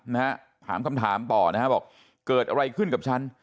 นะฮะถามคำถามต่อนะฮะบอกเกิดอะไรขึ้นกับฉัน